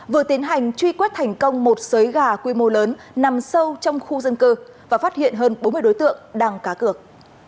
vừa tiến hành truy quét thành công một xới gà quy mô lớn nằm sâu trong khu dân cư và phát hiện hơn bốn mươi đối tượng đang cá cược